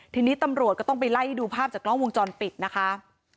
ทีนี้ตำรวจก็ต้องไปไล่ดูภาพจากกล้องวงจรปิดนะคะ